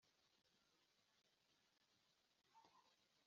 Akadukuburira amagana.